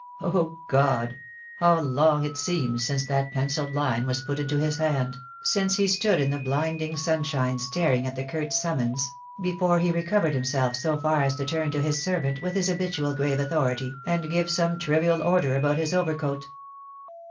Oh, God, how long it seemed since that pencilled line was put into his hand — since he stood in the blinding sunshine staring at the curt summons — before he recovered himself so far as to turn to his servant with his habitual grave authority, and give some trivial order about his overcoat.